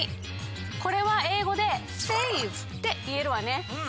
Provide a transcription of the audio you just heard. これは英語で「ｆａｖｅ」っていえるわね。